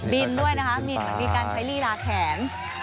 บินด้วยนะฮะมีข้างดีกันใช้ลีลาแขน